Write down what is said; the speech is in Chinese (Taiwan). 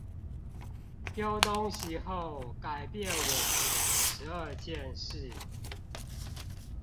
丟東西後改變我的十二件事